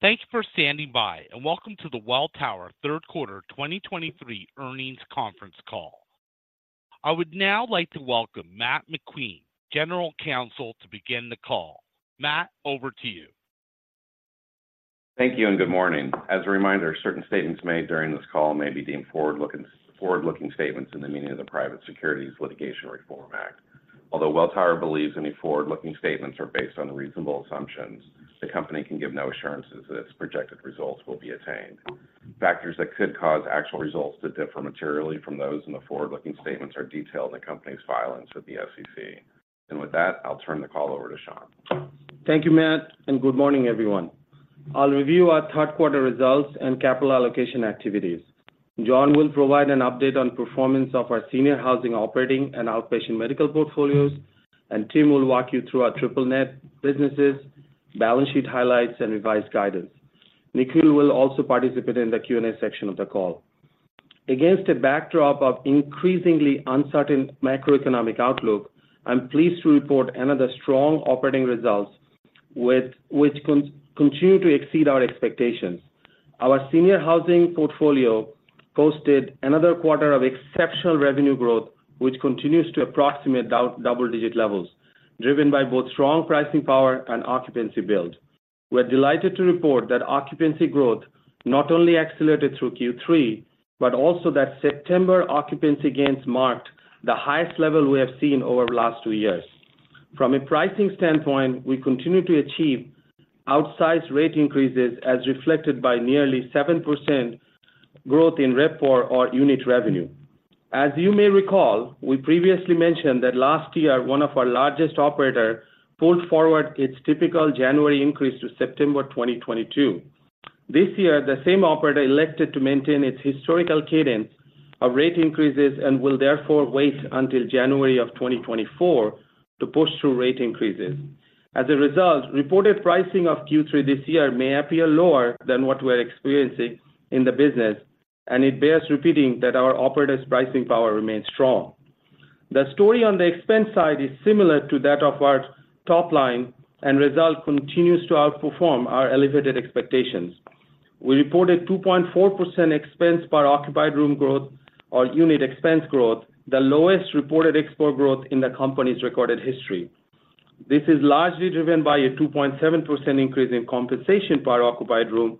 Thank you for standing by, and welcome to the Welltower Q3 2023 earnings conference call. I would now like to welcome Matt McQueen, General Counsel, to begin the call. Matt, over to you. Thank you and good morning. As a reminder, certain statements made during this call may be deemed forward-looking, forward-looking statements in the meaning of the Private Securities Litigation Reform Act. Although Welltower believes any forward-looking statements are based on reasonable assumptions, the company can give no assurances that its projected results will be attained. Factors that could cause actual results to differ materially from those in the forward-looking statements are detailed in the company's filings with the SEC. With that, I'll turn the call over to Shankh. Thank you, Matt, and good morning, everyone. I'll review our Q3 results and capital allocation activities. John will provide an update on performance of our senior housing operating and outpatient medical portfolios, and Tim will walk you through our triple net businesses, balance sheet highlights, and revised guidance. Nikhil will also participate in the Q&A section of the call. Against a backdrop of increasingly uncertain macroeconomic outlook, I'm pleased to report another strong operating results, with which continue to exceed our expectations. Our senior housing portfolio posted another quarter of exceptional revenue growth, which continues to approximate double-digit levels, driven by both strong pricing power and occupancy build. We're delighted to report that occupancy growth not only accelerated through Q3, but also that September occupancy gains marked the highest level we have seen over the last two years. From a pricing standpoint, we continue to achieve outsized rate increases, as reflected by nearly 7% growth in RevPOR or unit revenue. As you may recall, we previously mentioned that last year, one of our largest operator pulled forward its typical January increase to September 2022. This year, the same operator elected to maintain its historical cadence of rate increases and will therefore wait until January 2024 to push through rate increases. As a result, reported pricing of Q3 this year may appear lower than what we're experiencing in the business, and it bears repeating that our operators' pricing power remains strong. The story on the expense side is similar to that of our top line, and result continues to outperform our elevated expectations. We reported 2.4% expense per occupied room growth or unit expense growth, the lowest reported ExpOR growth in the company's recorded history. This is largely driven by a 2.7% increase in compensation per occupied room,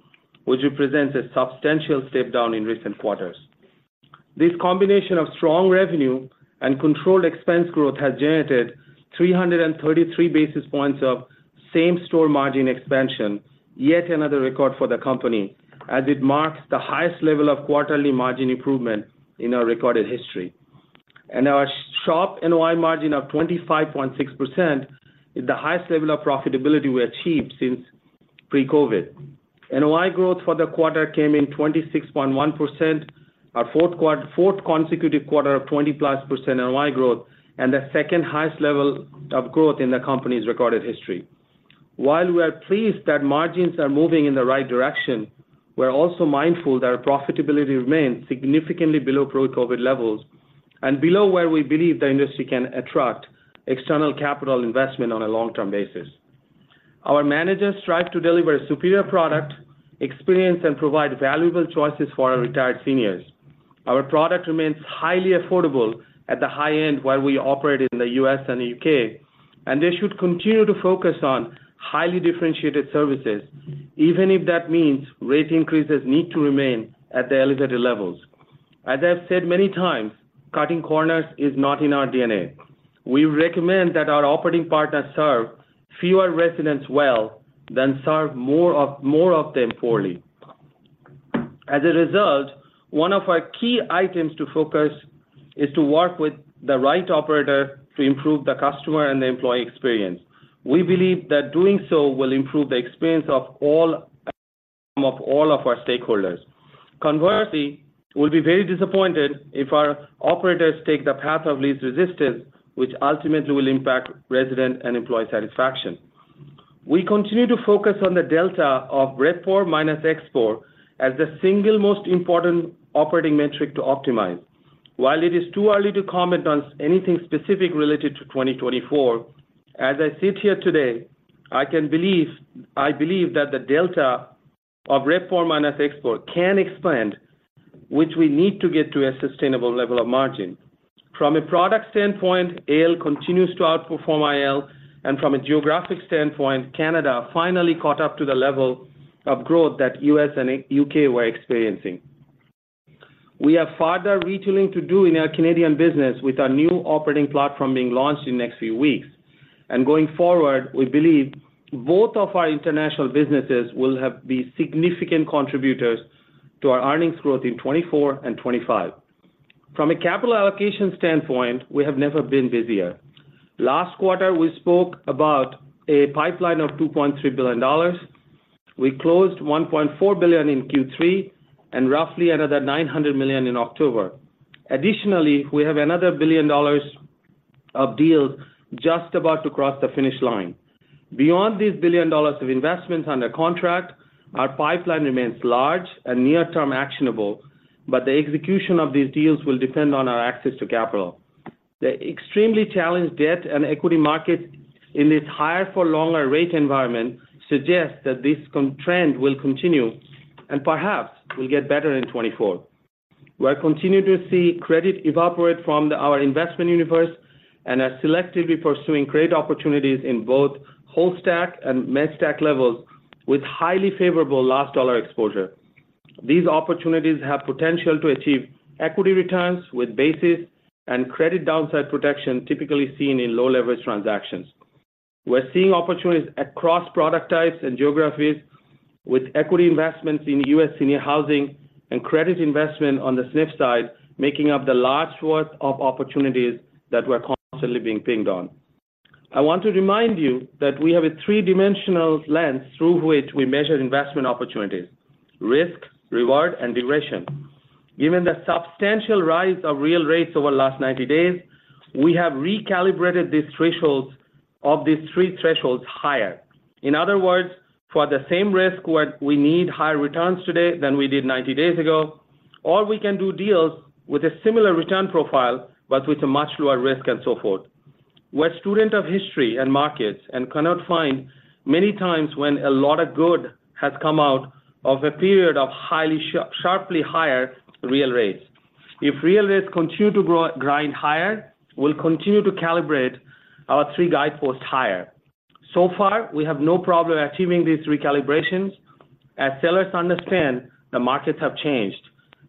which represents a substantial step down in recent quarters. This combination of strong revenue and controlled expense growth has generated 333 basis points of same-store margin expansion, yet another record for the company, as it marks the highest level of quarterly margin improvement in our recorded history. Our sharp NOI margin of 25.6% is the highest level of profitability we achieved since pre-COVID. NOI growth for the quarter came in 26.1%, our fourth consecutive quarter of 20%+ NOI growth and the second-highest level of growth in the company's recorded history. While we are pleased that margins are moving in the right direction, we're also mindful that our profitability remains significantly below pre-COVID levels and below where we believe the industry can attract external capital investment on a long-term basis. Our managers strive to deliver a superior product, experience, and provide valuable choices for our retired seniors. Our product remains highly affordable at the high end where we operate in the U.S. and the U.K., and they should continue to focus on highly differentiated services, even if that means rate increases need to remain at the elevated levels. As I've said many times, cutting corners is not in our DNA. We recommend that our operating partners serve fewer residents well than serve more of them poorly. As a result, one of our key items to focus is to work with the right operator to improve the customer and the employee experience. We believe that doing so will improve the experience of all, of all of our stakeholders. Conversely, we'll be very disappointed if our operators take the path of least resistance, which ultimately will impact resident and employee satisfaction. We continue to focus on the delta of RevPOR minus ExpOR as the single most important operating metric to optimize. While it is too early to comment on anything specific related to 2024, as I sit here today, I believe that the delta of RevPOR minus ExpOR can expand, which we need to get to a sustainable level of margin. From a product standpoint, AL continues to outperform IL, and from a geographic standpoint, Canada finally caught up to the level of growth that U.S. and U.K. were experiencing. We have further retailing to do in our Canadian business, with our new operating platform being launched in the next few weeks. And going forward, we believe both of our international businesses will have these significant contributors to our earnings growth in 2024 and 2025. From a capital allocation standpoint, we have never been busier. Last quarter, we spoke about a pipeline of $2.3 billion. We closed $1.4 billion in Q3 and roughly another $900 million in October. Additionally, we have another $1 billion of deals just about to cross the finish line. Beyond these $1 billion of investments under contract, our pipeline remains large and near-term actionable, but the execution of these deals will depend on our access to capital. The extremely challenged debt and equity markets in this higher for longer rate environment suggest that this counter-trend will continue and perhaps will get better in 2024. We are continuing to see credit evaporate from our investment universe and are selectively pursuing great opportunities in both whole stack and med stack levels with highly favorable last dollar exposure. These opportunities have potential to achieve equity returns with basis and credit downside protection typically seen in low leverage transactions. We're seeing opportunities across product types and geographies with equity investments in U.S. senior housing and credit investment on the SNF side, making up the large worth of opportunities that we're constantly being pinged on. I want to remind you that we have a three-dimensional lens through which we measure investment opportunities: risk, reward, and duration. Given the substantial rise of real rates over the last 90 days, we have recalibrated these thresholds of these three thresholds higher. In other words, for the same risk, we need higher returns today than we did 90 days ago, or we can do deals with a similar return profile, but with a much lower risk and so forth. We're students of history and markets and cannot find many times when a lot of good has come out of a period of highly sharply higher real rates. If real rates continue to grind higher, we'll continue to calibrate our three guideposts higher. So far, we have no problem achieving these recalibrations as sellers understand the markets have changed,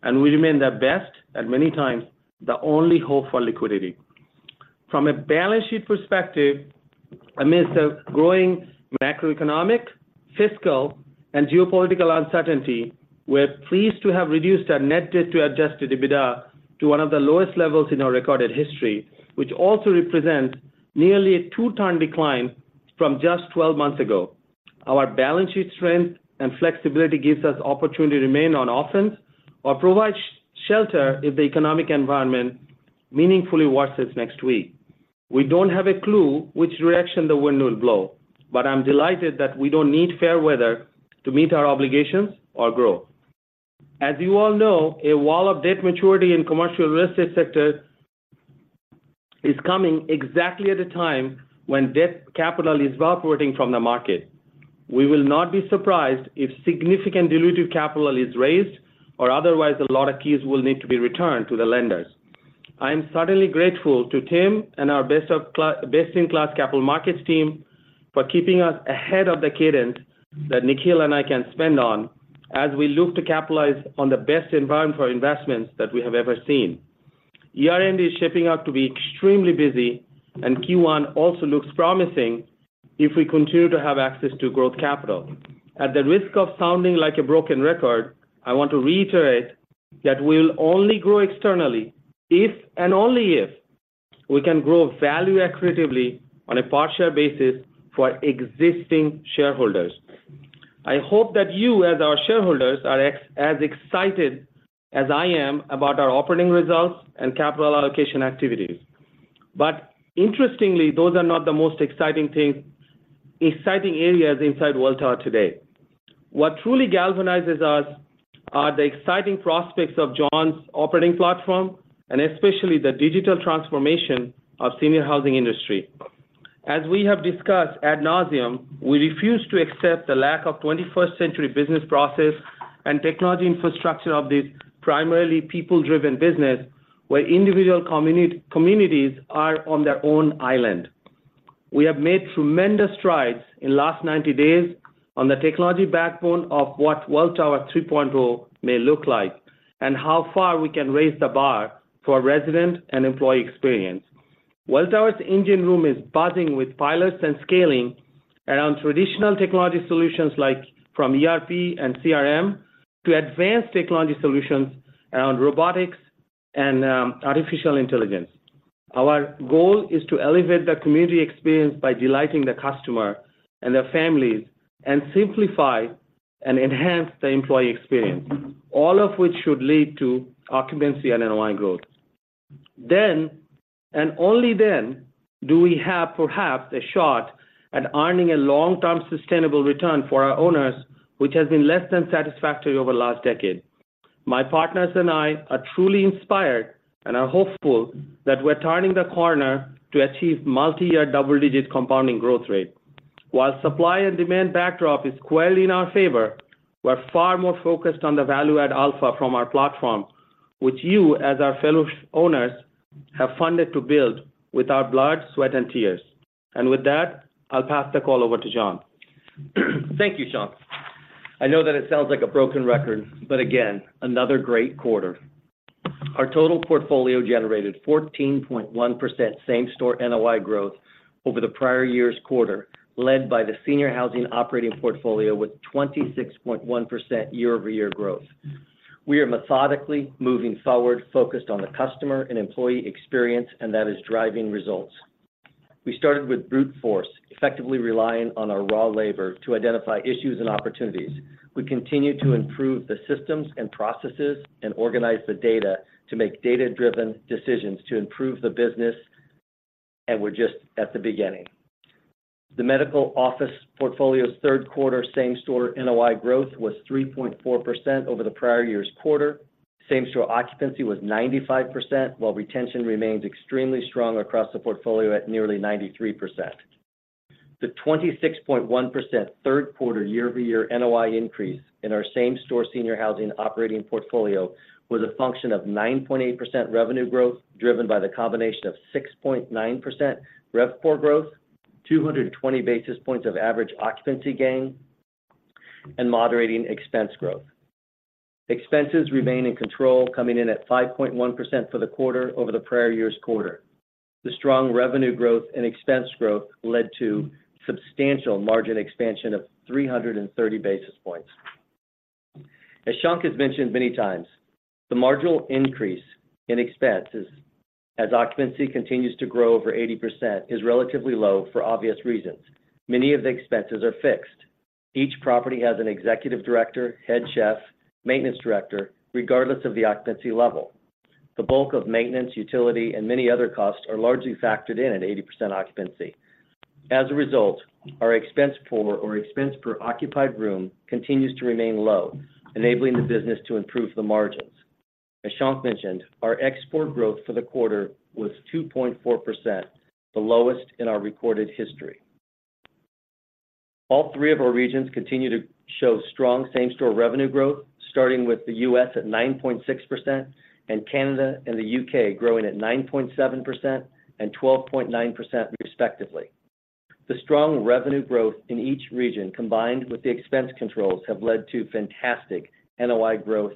and we remain their best, at many times, the only hope for liquidity. From a balance sheet perspective, amidst a growing macroeconomic, fiscal, and geopolitical uncertainty, we're pleased to have reduced our net debt to adjusted EBITDA to one of the lowest levels in our recorded history, which also represent nearly a two-time decline from just 12 months ago. Our balance sheet strength and flexibility gives us opportunity to remain on offense or provide shelter if the economic environment meaningfully worsens next week. We don't have a clue which direction the wind will blow, but I'm delighted that we don't need fair weather to meet our obligations or grow. As you all know, a wall of debt maturity in commercial real estate sector is coming exactly at a time when debt capital is evaporating from the market. We will not be surprised if significant dilutive capital is raised or otherwise, a lot of keys will need to be returned to the lenders. I am suddenly grateful to Tim and our best-in-class capital markets team for keeping us ahead of the cadence that Nikhil and I can spend on as we look to capitalize on the best environment for investments that we have ever seen. Year end is shaping up to be extremely busy, and Q1 also looks promising if we continue to have access to growth capital. At the risk of sounding like a broken record, I want to reiterate that we will only grow externally if and only if we can grow value accretively on a per share basis for existing shareholders. I hope that you, as our shareholders, are as excited as I am about our operating results and capital allocation activities. But interestingly, those are not the most exciting things, exciting areas inside Welltower today. What truly galvanizes us are the exciting prospects of John's operating platform, and especially the digital transformation of senior housing industry. As we have discussed ad nauseam, we refuse to accept the lack of twenty-first century business process and technology infrastructure of this primarily people-driven business, where individual communities are on their own island. We have made tremendous strides in the last 90 days on the technology backbone of what Welltower 3.0 may look like and how far we can raise the bar for resident and employee experience. Welltower's engine room is buzzing with pilots and scaling around traditional technology solutions like ERP and CRM, to advanced technology solutions around robotics and artificial intelligence. Our goal is to elevate the community experience by delighting the customer and their families, and simplify and enhance the employee experience, all of which should lead to occupancy and NOI growth. Then, and only then, do we have perhaps a shot at earning a long-term sustainable return for our owners, which has been less than satisfactory over the last decade. My partners and I are truly inspired and are hopeful that we're turning the corner to achieve multi-year double-digit compounding growth rate. While supply and demand backdrop is clearly in our favor, we're far more focused on the value add alpha from our platform, which you, as our fellow owners, have funded to build with our blood, sweat, and tears. With that, I'll pass the call over to John. Thank you, Shankh. I know that it sounds like a broken record, but again, another great quarter. Our total portfolio generated 14.1% same-store NOI growth over the prior year's quarter, led by the senior housing operating portfolio with 26.1% year-over-year growth. We are methodically moving forward, focused on the customer and employee experience, and that is driving results. We started with brute force, effectively relying on our raw labor to identify issues and opportunities. We continue to improve the systems and processes and organize the data to make data-driven decisions to improve the business, and we're just at the beginning. The medical office portfolio's Q3 same-store NOI growth was 3.4% over the prior year's quarter. Same-store occupancy was 95%, while retention remains extremely strong across the portfolio at nearly 93%. The 26.1% Q3 year-over-year NOI increase in our same-store senior housing operating portfolio was a function of 9.8% revenue growth, driven by the combination of 6.9% RevPOR growth, 220 basis points of average occupancy gain, and moderating expense growth. Expenses remain in control, coming in at 5.1% for the quarter over the prior year's quarter. The strong revenue growth and expense growth led to substantial margin expansion of 330 basis points. As Shankh has mentioned many times, the marginal increase in expenses as occupancy continues to grow over 80%, is relatively low for obvious reasons. Many of the expenses are fixed. Each property has an executive director, head chef, maintenance director, regardless of the occupancy level. The bulk of maintenance, utility, and many other costs are largely factored in at 80% occupancy. As a result, our expense per occupied room continues to remain low, enabling the business to improve the margins. As Shankh mentioned, our ExpOR growth for the quarter was 2.4%, the lowest in our recorded history. All three of our regions continue to show strong same-store revenue growth, starting with the U.S. at 9.6%, and Canada and the U.K. growing at 9.7% and 12.9%, respectively. The strong revenue growth in each region, combined with the expense controls, have led to fantastic NOI growth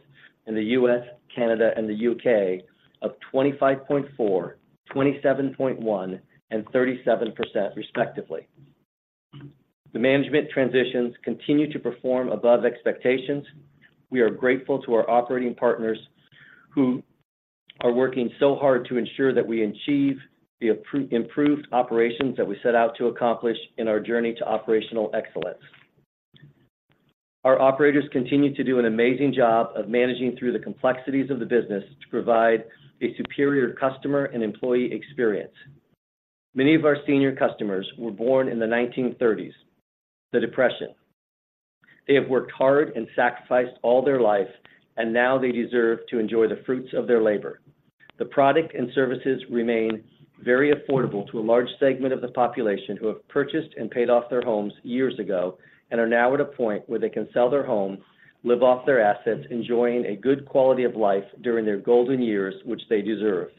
in the U.S., Canada, and the U.K. of 25.4%, 27.1%, and 37%, respectively. The management transitions continue to perform above expectations. We are grateful to our operating partners who are working so hard to ensure that we achieve the improved operations that we set out to accomplish in our journey to operational excellence. Our operators continue to do an amazing job of managing through the complexities of the business to provide a superior customer and employee experience. Many of our senior customers were born in the 1930s, the Depression. They have worked hard and sacrificed all their life, and now they deserve to enjoy the fruits of their labor. The product and services remain very affordable to a large segment of the population who have purchased and paid off their homes years ago and are now at a point where they can sell their home, live off their assets, enjoying a good quality of life during their golden years, which they deserve.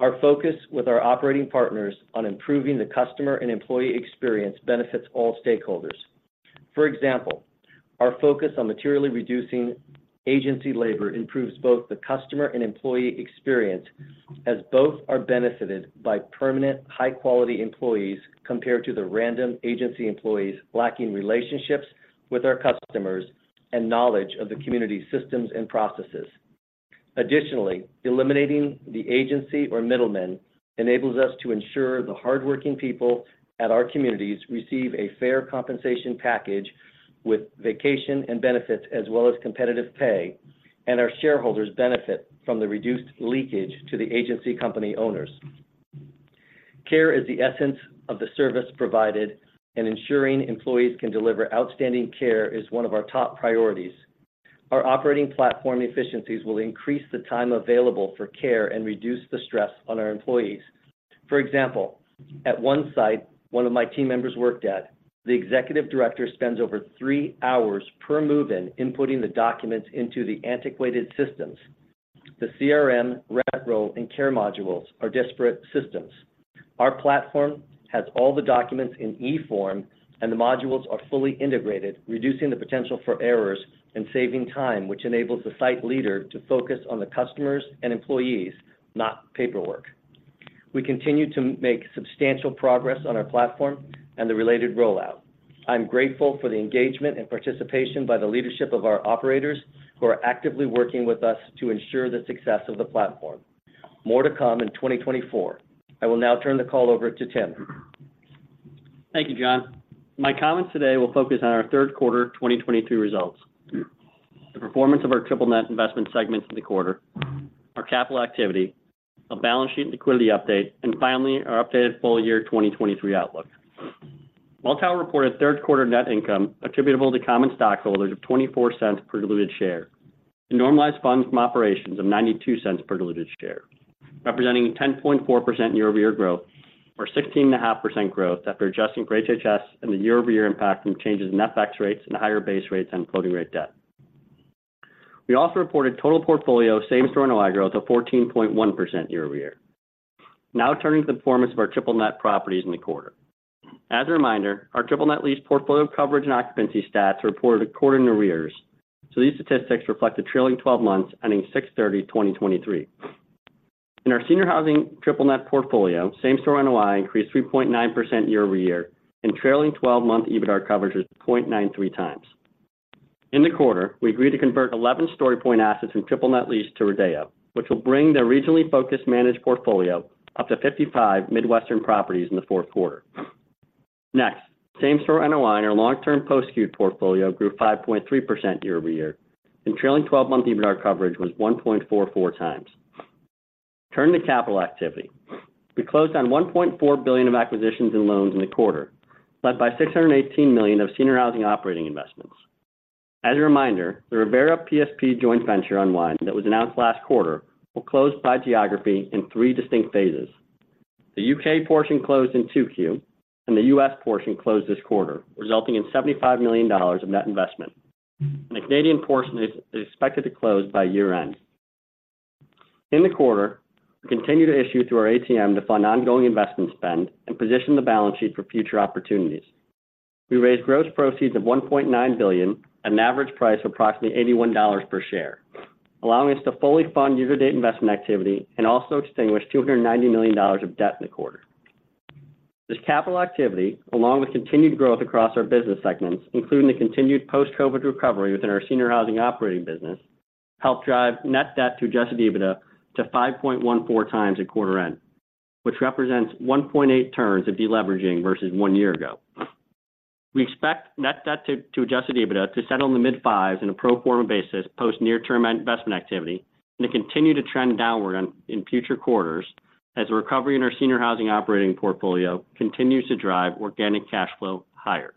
Our focus with our operating partners on improving the customer and employee experience benefits all stakeholders. For example, our focus on materially reducing agency labor improves both the customer and employee experience, as both are benefited by permanent, high-quality employees compared to the random agency employees lacking relationships with our customers and knowledge of the community systems and processes. Additionally, eliminating the agency or middlemen enables us to ensure the hardworking people at our communities receive a fair compensation package with vacation and benefits, as well as competitive pay, and our shareholders benefit from the reduced leakage to the agency company owners. Care is the essence of the service provided, and ensuring employees can deliver outstanding care is one of our top priorities. Our operating platform efficiencies will increase the time available for care and reduce the stress on our employees. For example, at one site one of my team members worked at, the executive director spends over three hours per move-in inputting the documents into the antiquated systems. The CRM, rent roll, and care modules are disparate systems. Our platform has all the documents in eForm, and the modules are fully integrated, reducing the potential for errors and saving time, which enables the site leader to focus on the customers and employees, not paperwork. We continue to make substantial progress on our platform and the related rollout. I'm grateful for the engagement and participation by the leadership of our operators, who are actively working with us to ensure the success of the platform. More to come in 2024. I will now turn the call over to Tim. Thank you, John. My comments today will focus on our Q3 2023 results, the performance of our triple net investment segments in the quarter, our capital activity, a balance sheet and liquidity update, and finally, our updated full year 2023 outlook. Welltower reported Q3 net income attributable to common stockholders of $0.24 per diluted share, and normalized funds from operations of $0.92 per diluted share, representing a 10.4% year-over-year growth or 16.5% growth after adjusting for HHS and the year-over-year impact from changes in FX rates and higher base rates on floating rate debt. We also reported total portfolio same-store NOI growth of 14.1% year-over-year. Now turning to the performance of our triple net properties in the quarter. As a reminder, our triple net lease portfolio coverage and occupancy stats are reported a quarter in arrears, so these statistics reflect the trailing twelve months, ending June 30th, 2023. In our senior housing triple net portfolio, same-store NOI increased 3.9% year-over-year, and trailing twelve-month EBITDAR coverage was 0.93x. In the quarter, we agreed to convert 11 StoryPoint assets from triple net lease to RIDEA, which will bring their regionally focused managed portfolio up to 55 Midwestern properties in the Q4. Next, same-store NOI in our long-term post-acute portfolio grew 5.3% year-over-year, and trailing twelve-month EBITDAR coverage was 1.44x.Turning to capital activity. We closed on $1.4 billion of acquisitions and loans in the quarter, led by $618 million of senior housing operating investments. As a reminder, the Revera PSP joint venture unwind that was announced last quarter, will close by geography in three distinct phases. The U.K. portion closed in Q2, and the U.S. portion closed this quarter, resulting in $75 million of net investment. And the Canadian portion is expected to close by year-end. In the quarter, we continue to issue through our ATM to fund ongoing investment spend and position the balance sheet for future opportunities. We raised gross proceeds of $1.9 billion at an average price of approximately $81 per share, allowing us to fully fund year-to-date investment activity and also extinguish $290 million of debt in the quarter. This capital activity, along with continued growth across our business segments, including the continued post-COVID recovery within our senior housing operating business, helped drive net debt to adjusted EBITDA to 5.14x at quarter end, which represents 1.8 turns of deleveraging versus one year ago. We expect net debt to adjusted EBITDA to settle in the mid-5s on a pro forma basis, post near-term investment activity, and to continue to trend downward in future quarters as the recovery in our senior housing operating portfolio continues to drive organic cash flow higher.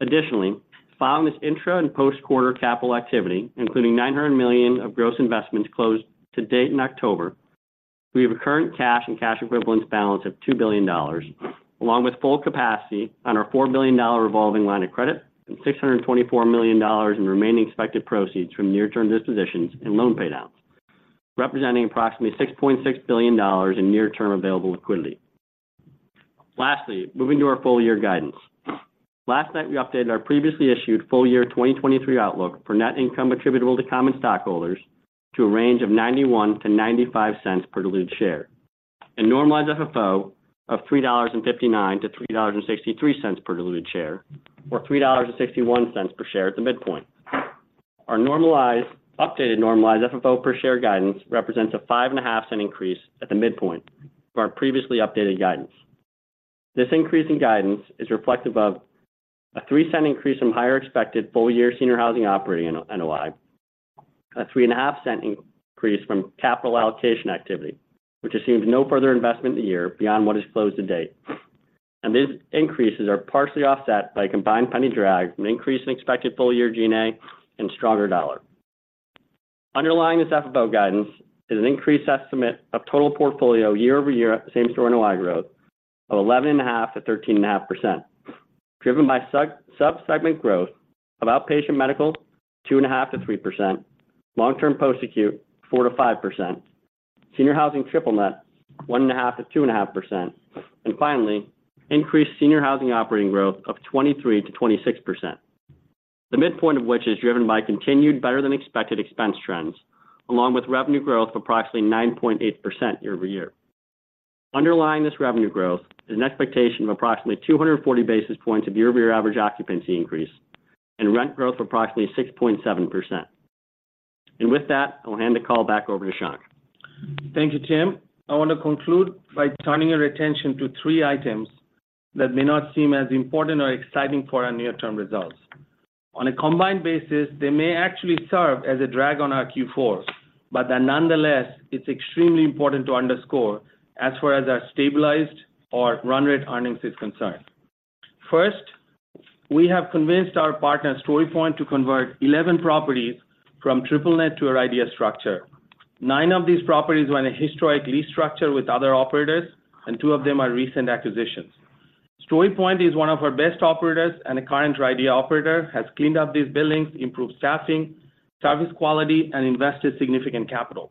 Additionally, following this intra- and post-quarter capital activity, including $900 million of gross investments closed to date in October, we have a current cash and cash equivalents balance of $2 billion, along with full capacity on our $4 billion revolving line of credit and $624 million in remaining expected proceeds from near-term dispositions and loan paydowns, representing approximately $6.6 billion in near-term available liquidity. Lastly, moving to our full-year guidance. Last night, we updated our previously issued full-year 2023 outlook for net income attributable to common stockholders to a range of $0.91-$0.95 per diluted share, and normalized FFO of $3.59-$3.63 per diluted share, or $3.61 per share at the midpoint. Our updated normalized FFO per share guidance represents a $0.055 increase at the midpoint from our previously updated guidance. This increase in guidance is reflective of a $0.03 increase from higher expected full-year senior housing operating NOI, a $0.035 increase from capital allocation activity, which assumes no further investment in the year beyond what is closed to date. These increases are partially offset by a combined $0.01 drag from an increase in expected full-year G&A and stronger dollar. Underlying this FFO guidance is an increased estimate of total portfolio year-over-year, same-store NOI growth of 11.5%-13.5%, driven by sub-segment growth of outpatient medical, 2.5%-3%, long-term post-acute, 4%-5%, senior housing triple net, 1.5%-2.5%, and finally, increased senior housing operating growth of 23%-26%. The midpoint of which is driven by continued better-than-expected expense trends, along with revenue growth of approximately 9.8% year-over-year. Underlying this revenue growth is an expectation of approximately 240 basis points of year-over-year average occupancy increase and rent growth of approximately 6.7%. With that, I'll hand the call back over to Shankh. Thank you, Tim. I want to conclude by turning your attention to three items that may not seem as important or exciting for our near-term results. On a combined basis, they may actually serve as a drag on our Q4, but that nonetheless, it's extremely important to underscore as far as our stabilized or run rate earnings is concerned. First, we have convinced our partner, StoryPoint, to convert 11 properties from Triple-Net to our RIDEA structure. Nine of these properties were in a historic lease structure with other operators, and two of them are recent acquisitions. StoryPoint is one of our best operators, and a current RIDEA operator, has cleaned up these buildings, improved staffing, service quality, and invested significant capital.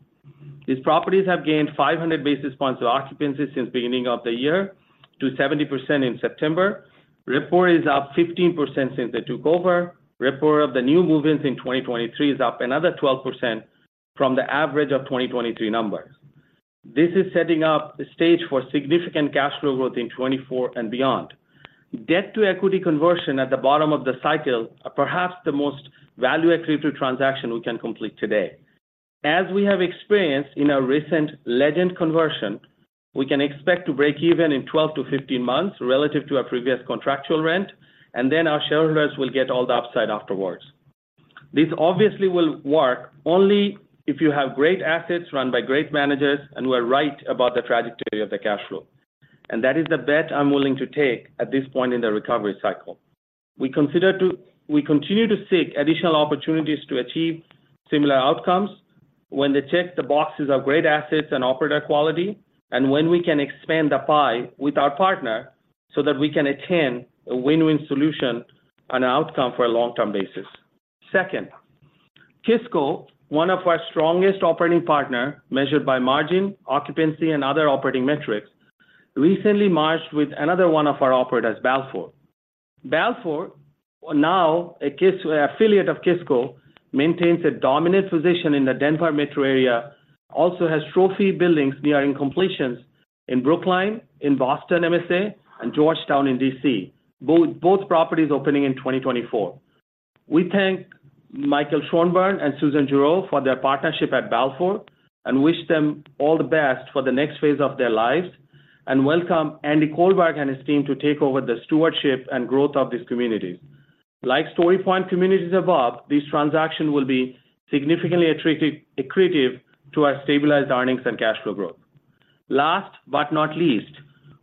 These properties have gained 500 basis points of occupancy since beginning of the year to 70% in September. RevPOR is up 15% since they took over. RevPOR of the new managements in 2023 is up another 12% from the average of 2023 numbers. This is setting up the stage for significant cash flow growth in 2024 and beyond. Debt-to-equity conversion at the bottom of the cycle are perhaps the most value accretive transaction we can complete today. As we have experienced in our recent Legend conversion, we can expect to break even in 12-15 months relative to our previous contractual rent, and then our shareholders will get all the upside afterwards. This obviously will work only if you have great assets run by great managers and who are right about the trajectory of the cash flow. That is the bet I'm willing to take at this point in the recovery cycle. We continue to seek additional opportunities to achieve similar outcomes when they check the boxes of great assets and operator quality, and when we can expand the pie with our partner so that we can attain a win-win solution and outcome for a long-term basis. Second, Kisco, one of our strongest operating partner, measured by margin, occupancy, and other operating metrics, recently merged with another one of our operators, Balfour. Balfour, now a Kisco, affiliate of Kisco, maintains a dominant position in the Denver metro area, also has trophy buildings nearing completions in Brookline, in Boston MSA, and Georgetown in D.C., both properties opening in 2024. We thank Michael Schonbrun and Susan Juroe for their partnership at Balfour, and wish them all the best for the next phase of their lives, and welcome Andy Kohlberg and his team to take over the stewardship and growth of these communities. Like StoryPoint communities above, this transaction will be significantly accretive to our stabilized earnings and cash flow growth. Last but not least,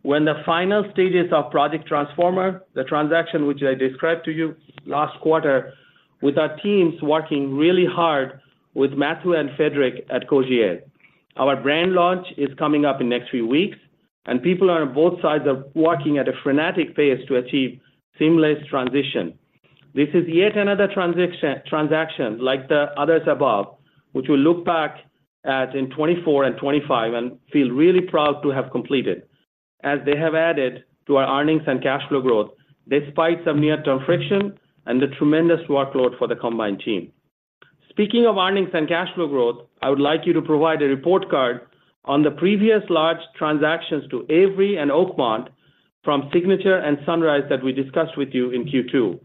we're in the final stages of Project Transformer, the transaction which I described to you last quarter, with our teams working really hard with Mathieu and Frédéric at Cogir. Our brand launch is coming up in the next few weeks, and people are on both sides of working at a frenetic pace to achieve seamless transition. This is yet another transaction, transaction like the others above, which we look back at in 2024 and 2025 and feel really proud to have completed, as they have added to our earnings and cash flow growth despite some near-term friction and the tremendous workload for the combined team. Speaking of earnings and cash flow growth, I would like you to provide a report card on the previous large transactions to Avery and Oakmont from Signature and Sunrise that we discussed with you in Q2.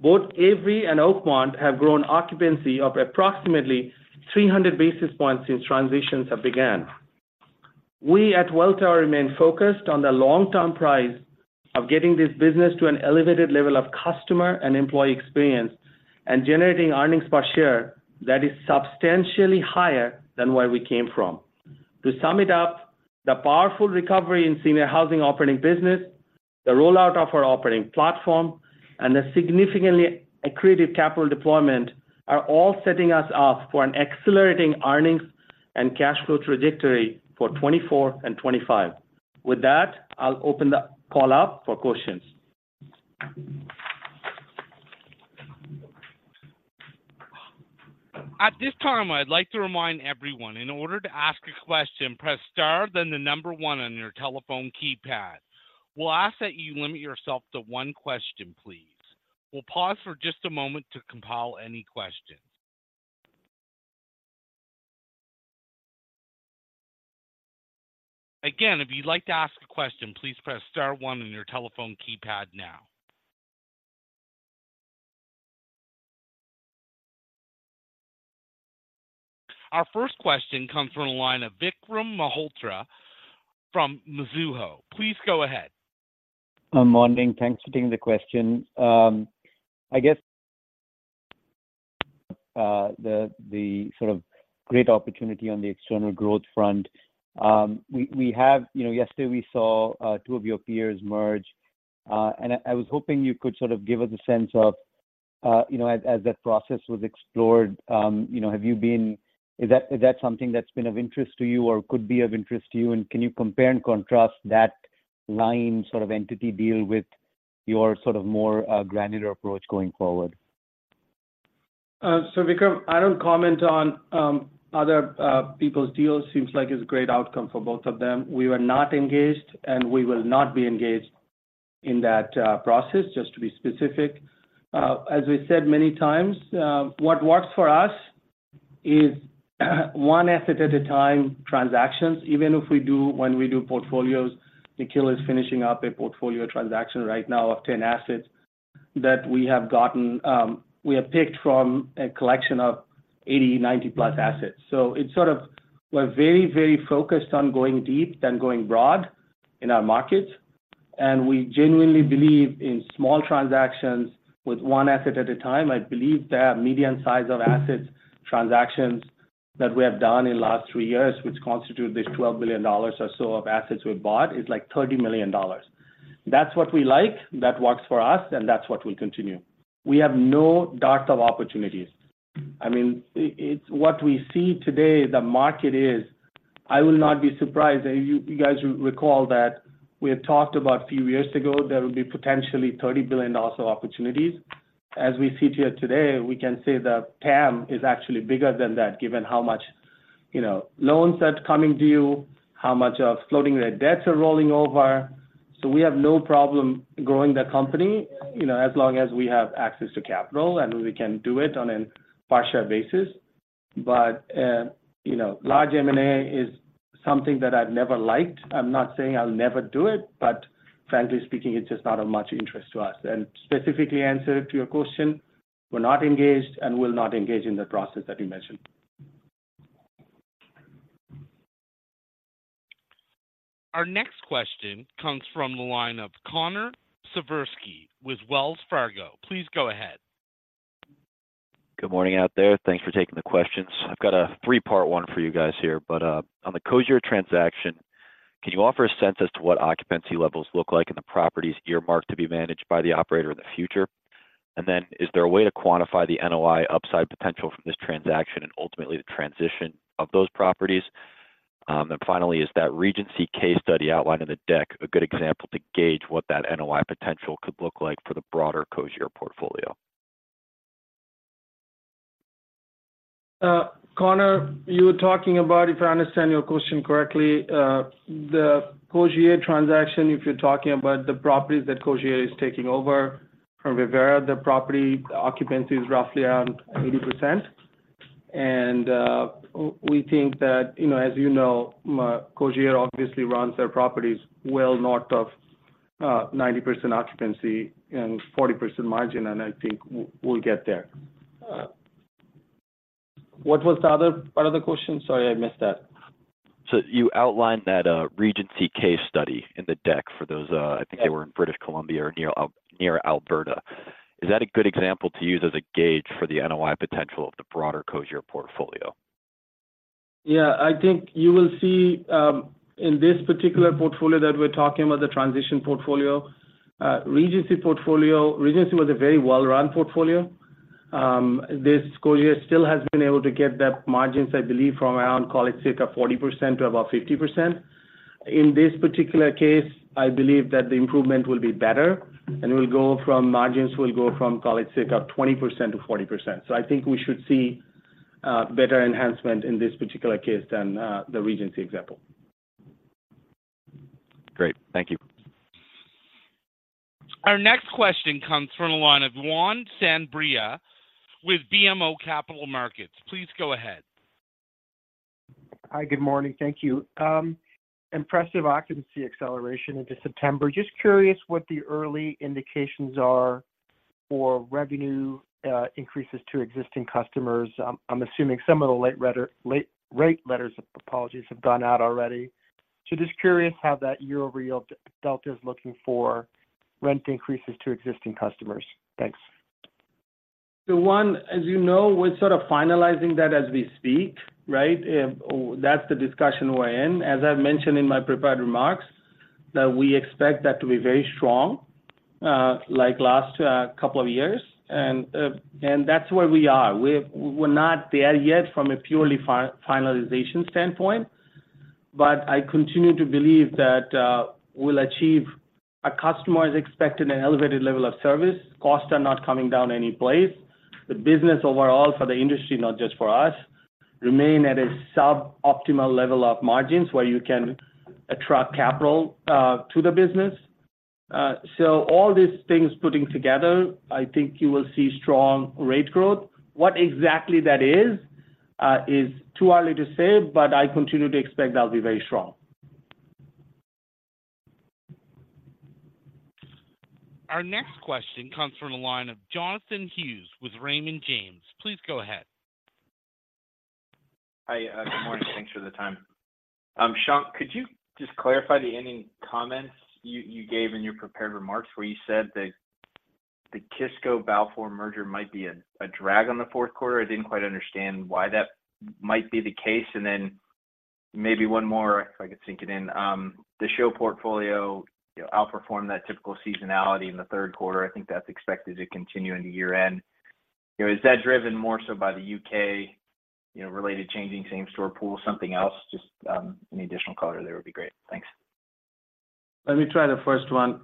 Both Avery and Oakmont have grown occupancy of approximately 300 basis points since transitions have began. We at Welltower remain focused on the long-term prize of getting this business to an elevated level of customer and employee experience, and generating earnings per share that is substantially higher than where we came from. To sum it up, the powerful recovery in senior housing operating business, the rollout of our operating platform, and the significantly accretive capital deployment, are all setting us up for an accelerating earnings and cash flow trajectory for 2024 and 2025. With that, I'll open the call up for questions. At this time, I'd like to remind everyone, in order to ask a question, press star, then the number one on your telephone keypad. We'll ask that you limit yourself to one question, please. We'll pause for just a moment to compile any questions. Again, if you'd like to ask a question, please press star one on your telephone keypad now. Our first question comes from the line of Vikram Malhotra from Mizuho. Please go ahead. Good morning. Thanks for taking the question. I guess, the sort of great opportunity on the external growth front. We have, you know, yesterday we saw two of your peers merge, and I was hoping you could sort of give us a sense of, you know, as that process was explored, you know, have you been, is that something that's been of interest to you or could be of interest to you? And can you compare and contrast that line sort of entity deal with your sort of more granular approach going forward? So, Vikram, I don't comment on other people's deals. Seems like it's a great outcome for both of them. We were not engaged, and we will not be engaged in that process, just to be specific. As we said many times, what works for us is one asset at a time transactions, even if we do, when we do portfolios. Nikhil is finishing up a portfolio transaction right now of 10 assets that we have picked from a collection of 80, 90+ assets. So it's sort of we're very, very focused on going deep than going broad in our markets, and we genuinely believe in small transactions with one asset at a time. I believe the median size of assets transactions that we have done in the last three years, which constitute this $12 billion or so of assets we bought, is like $30 million. That's what we like, that works for us, and that's what we continue. We have no dearth of opportunities. I mean, it's what we see today, the market is, I will not be surprised, and you guys recall that we had talked about a few years ago, there will be potentially $30 billion of opportunities. As we sit here today, we can say the TAM is actually bigger than that, given how much, you know, loans that are coming due, how much of floating rate debts are rolling over. So we have no problem growing the company, you know, as long as we have access to capital, and we can do it on a partial basis. But, you know, large M&A is something that I've never liked. I'm not saying I'll never do it, but frankly speaking, it's just not of much interest to us. And specifically answer to your question, we're not engaged and will not engage in the process that you mentioned. Our next question comes from the line of Connor Siversky, with Wells Fargo. Please go ahead. Good morning out there. Thanks for taking the questions. I've got a three-part one for you guys here, but, on the Cogir transaction, can you offer a sense as to what occupancy levels look like in the properties earmarked to be managed by the operator in the future? And then is there a way to quantify the NOI upside potential from this transaction and ultimately the transition of those properties? and finally, is that Regency case study outlined in the deck, a good example to gauge what that NOI potential could look like for the broader Cogir portfolio? Connor, you were talking about, if I understand your question correctly, the Cogir transaction, if you're talking about the properties that Cogir is taking over from Revera, the property occupancy is roughly around 80%. And we think that, you know, as you know, Cogir obviously runs their properties well north of 90% occupancy and 40% margin, and I think we'll get there. What was the other question? Sorry, I missed that. So you outlined that, Regency case study in the deck for those, I think they were in British Columbia or near Alberta. Is that a good example to use as a gauge for the NOI potential of the broader Cogir portfolio? Yeah, I think you will see, in this particular portfolio that we're talking about, the transition portfolio, Regency portfolio, Regency was a very well-run portfolio. This Cogir still has been able to get that margins, I believe, from around, call it, say 40% to about 50%. In this particular case, I believe that the improvement will be better, and margins will go from, call it, say 20%-40%. So I think we should see better enhancement in this particular case than the Regency example. Great. Thank you. Our next question comes from the line of Juan Sanabria with BMO Capital Markets. Please go ahead. Hi, good morning. Thank you. Impressive occupancy acceleration into September. Just curious what the early indications are for revenue increases to existing customers. I'm assuming some of the late rate letters, apologies, have gone out already. So just curious how that year-over-year delta is looking for rent increases to existing customers. Thanks. So Juan, as you know, we're sort of finalizing that as we speak, right? That's the discussion we're in. As I mentioned in my prepared remarks, that we expect that to be very strong, like last couple of years. And, and that's where we are. We're not there yet from a purely finalization standpoint, but I continue to believe that we'll achieve a customer is expecting an elevated level of service. Costs are not coming down any place. The business overall for the industry, not just for us, remain at a suboptimal level of margins where you can attract capital to the business. So all these things putting together, I think you will see strong rate growth. What exactly that is is too early to say, but I continue to expect that'll be very strong. Our next question comes from the line of Jonathan Hughes with Raymond James. Please go ahead. Hi, good morning. Thanks for the time. Shankh, could you just clarify the ending comments you gave in your prepared remarks where you said that the Kisco, Balfour merger might be a drag on the Q4? I didn't quite understand why that might be the case. Then maybe one more, if I could sneak it in. The SHO portfolio, you know, outperformed that typical seasonality in the Q3. I think that's expected to continue into year-end. You know, is that driven more so by the U.K., you know, related changing same-store pool, something else? Just, any additional color there would be great. Thanks. Let me try the first one.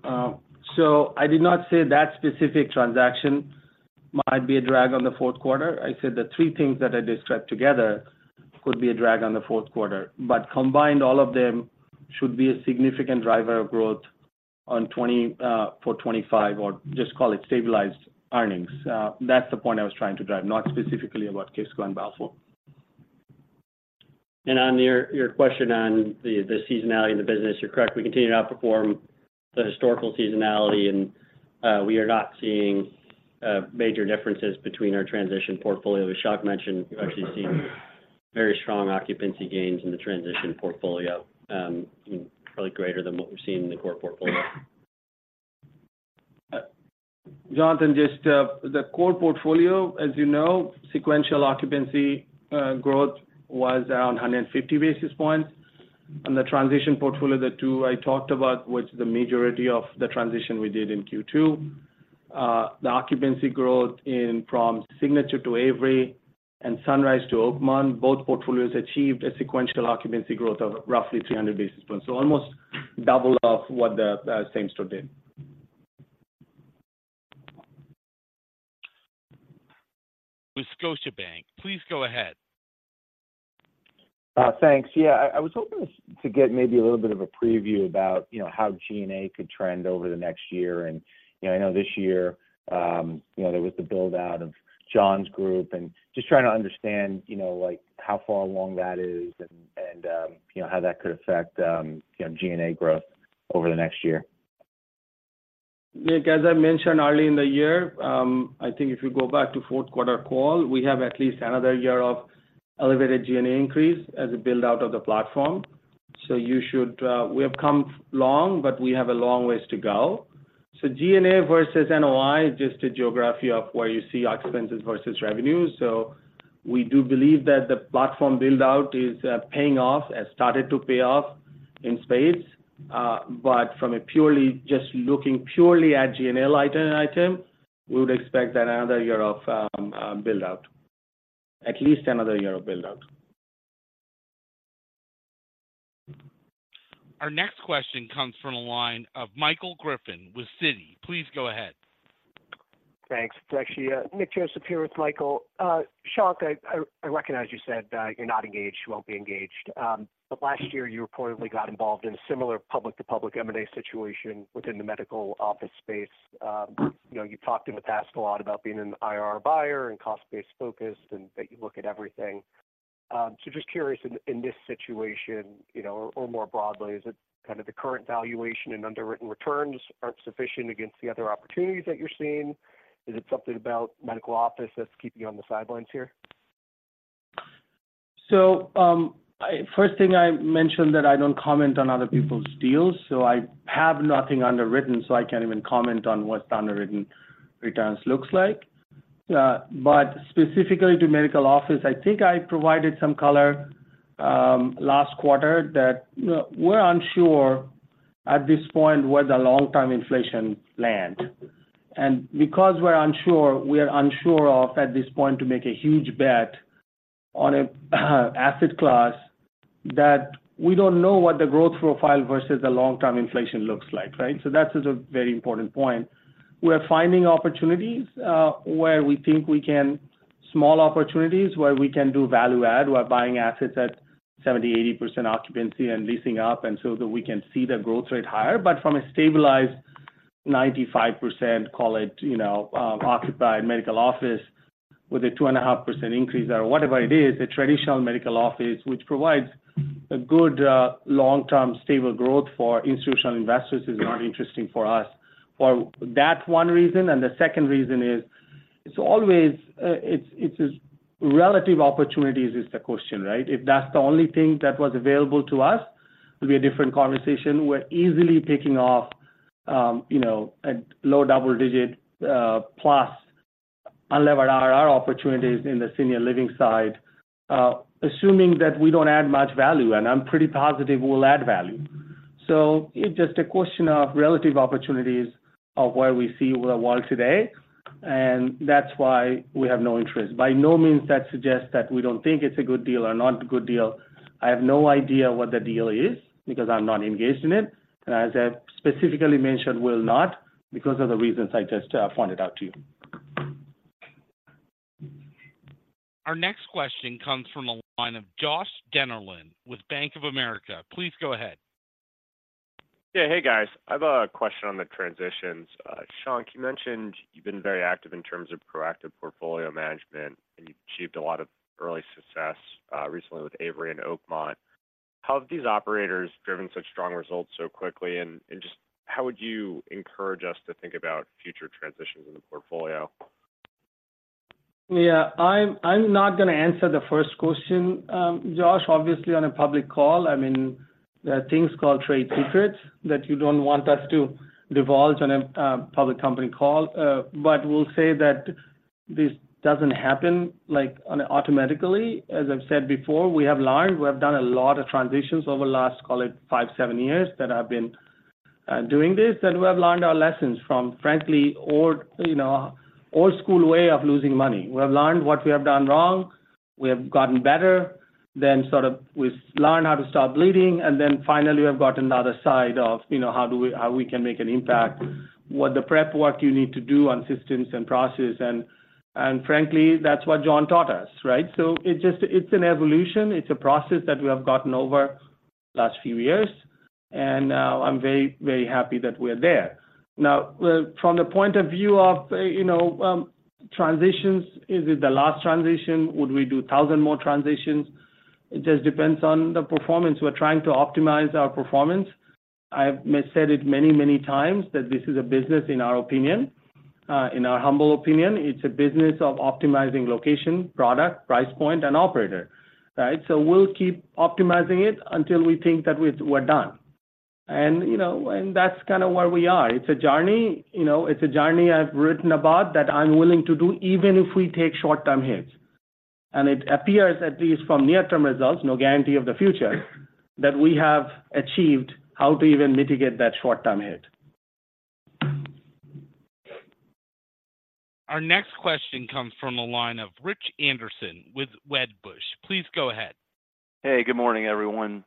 So I did not say that specific transaction might be a drag on the Q4. I said the three things that I described together could be a drag on the Q4, but combined, all of them should be a significant driver of growth on 2024 for 2025, or just call it stabilized earnings. That's the point I was trying to drive, not specifically about Kisco and Balfour. On your question on the seasonality in the business, you're correct. We continue to outperform the historical seasonality, and we are not seeing major differences between our transition portfolio. As Shankh mentioned, we've actually seen very strong occupancy gains in the transition portfolio, probably greater than what we've seen in the core portfolio. Jonathan, just, the core portfolio, as you know, sequential occupancy growth was around 150 basis points. The transition portfolio, the two I talked about, which the majority of the transition we did in Q2, the occupancy growth in from Signature to Avery and Sunrise to Oakmont, both portfolios achieved a sequential occupancy growth of roughly 300 basis points. So almost double of what the same store did. With Scotiabank. Please go ahead. Thanks. Yeah, I was hoping to get maybe a little bit of a preview about, you know, how G&A could trend over the next year. You know, I know this year, you know, there was the build-out of John's group, and just trying to understand, you know, like, how far along that is and, you know, how that could affect, you know, G&A growth over the next year. Nick, as I mentioned early in the year, I think if you go back to Q4 call, we have at least another year of elevated G&A increase as a build-out of the platform. So you should, we have come long, but we have a long ways to go. So G&A versus NOI, just a geography of where you see expenses versus revenue. So we do believe that the platform build-out is paying off, and started to pay off in spades. But from a purely, just looking purely at P&L item, we would expect that another year of build-out, at least another year of build-out. Our next question comes from the line of Michael Griffin with Citi. Please go ahead. Thanks. It's actually, Nick Joseph here with Michael. Shankh, I recognize you said, you're not engaged, you won't be engaged. But last year, you reportedly got involved in a similar public-to-public M&A situation within the medical office space. You know, you talked in the past a lot about being an IR buyer and cost-based focused, and that you look at everything. So just curious, in this situation, you know, or more broadly, is it kind of the current valuation and underwritten returns aren't sufficient against the other opportunities that you're seeing? Is it something about medical office that's keeping you on the sidelines here? So, first thing, I mentioned that I don't comment on other people's deals, so I have nothing underwritten, so I can't even comment on what the underwritten returns looks like. But specifically to medical office, I think I provided some color, last quarter that, you know, we're unsure at this point where the long-term inflation land. And because we're unsure, we are unsure of at this point to make a huge bet on a asset class that we don't know what the growth profile versus the long-term inflation looks like, right? So that is a very important point. We are finding opportunities where we think we can small opportunities, where we can do value add. We're buying assets at 70%-80% occupancy and leasing up, and so that we can see the growth rate higher. But from a stabilized 95%, call it, you know, occupied medical office with a 2.5% increase or whatever it is, the traditional medical office, which provides a good, long-term stable growth for institutional investors, is not interesting for us. For that one reason, and the second reason is it's always, it's relative opportunities is the question, right? If that's the only thing that was available to us, it'd be a different conversation. We're easily taking off, you know, a low double-digit, plus unlevered IRR opportunities in the senior living side, assuming that we don't add much value, and I'm pretty positive we'll add value. So it's just a question of relative opportunities of where we see the world today, and that's why we have no interest. By no means that suggests that we don't think it's a good deal or not a good deal. I have no idea what the deal is because I'm not engaged in it, and as I specifically mentioned, we'll not because of the reasons I just pointed out to you. Our next question comes from the line of Joshua Dennerlein with Bank of America. Please go ahead. Yeah. Hey, guys. I have a question on the transitions. Shankh, you mentioned you've been very active in terms of proactive portfolio management, and you've achieved a lot of early success recently with Avery and Oakmont. How have these operators driven such strong results so quickly, and just how would you encourage us to think about future transitions in the portfolio? Yeah, I'm not going to answer the first question, Josh, obviously on a public call. I mean, there are things called trade secrets that you don't want us to divulge on a public company call, but we'll say that this doesn't happen, like, on automatically. As I've said before, we have learned, we have done a lot of transitions over the last, call it five, seven years that I've been doing this, and we have learned our lessons from, frankly, old, you know, old school way of losing money. We have learned what we have done wrong. We have gotten better. Then sort of we've learned how to stop bleeding, and then finally, we have gotten the other side of, you know, how do we - how we can make an impact, what the prep work you need to do on systems and processes. And frankly, that's what John taught us, right? So it's just, it's an evolution. It's a process that we have gotten over the last few years, and I'm very, very happy that we're there. Now, from the point of view of, you know, transitions, is it the last transition? Would we do 1,000 more transitions? It just depends on the performance. We're trying to optimize our performance. I may have said it many, many times that this is a business, in our opinion, in our humble opinion, it's a business of optimizing location, product, price point, and operator. Right? So we'll keep optimizing it until we think that we, we're done. And, you know, and that's kind of where we are. It's a journey, you know, it's a journey I've written about that I'm willing to do, even if we take short-term hits. It appears, at least from near-term results—no guarantee of the future—that we have achieved how to even mitigate that short-term hit. Our next question comes from a line of Rich Anderson with Wedbush. Please go ahead. Hey, good morning, everyone.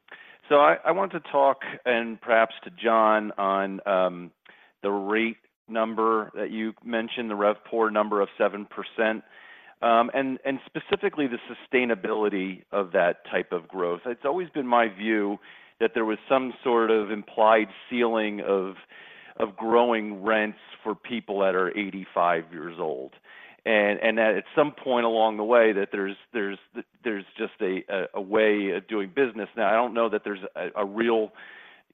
So I want to talk, and perhaps to John, on the rate number that you mentioned, the RevPOR number of 7%, and specifically the sustainability of that type of growth. It's always been my view that there was some sort of implied ceiling of growing rents for people that are 85 years old, and that at some point along the way, that there's just a way of doing business. Now, I don't know that there's a real,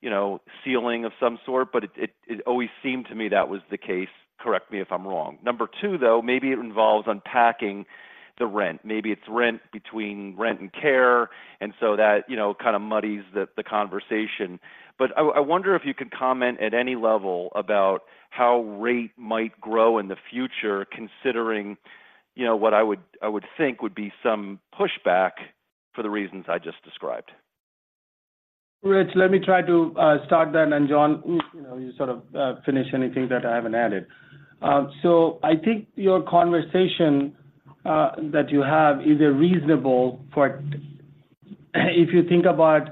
you know, ceiling of some sort, but it always seemed to me that was the case. Correct me if I'm wrong. Number two, though, maybe it involves unpacking the rent. Maybe it's rent between rent and care, and so that, you know, kind of muddies the conversation. I wonder if you could comment at any level about how rate might grow in the future, considering, you know, what I think would be some pushback for the reasons I just described. Rich, let me try to start then, and John, you know, you sort of finish anything that I haven't added. So I think your conversation that you have is a reasonable if you think about